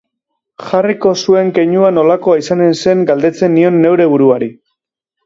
Jarriko zuen keinua nolakoa izanen zen galdetzen nion neure buruari.